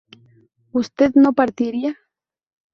¿usted no partiría?